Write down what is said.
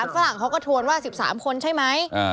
ฝรั่งเขาก็ทวนว่า๑๓คนใช่ไหม